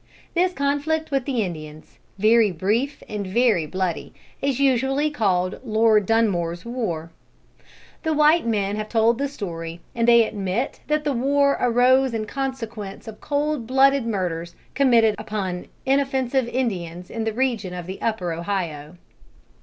This conflict with the Indians, very brief and very bloody, is usually called Lord Dunmore's war. The white men have told the story, and they admit that the war "arose in consequence of cold blooded murders committed upon inoffensive Indians in the region of the upper Ohio."